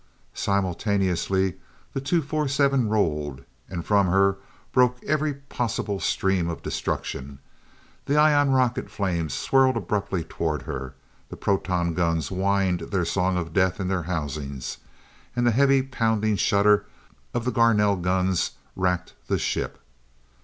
Simultaneously, the T 247 rolled, and from her broke every possible stream of destruction. The ion rocket flames swirled abruptly toward her, the proton guns whined their song of death in their housings, and the heavy pounding shudder of the Garnell guns racked the ship.